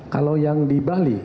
kalau yang di bali